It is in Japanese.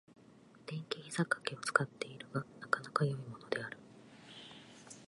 電気ひざかけを使っているが、なかなか良いものである。